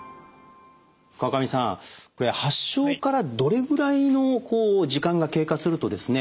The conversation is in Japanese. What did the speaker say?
川上さん発症からどれぐらいの時間が経過するとですね